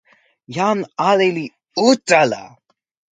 jan ale li utala.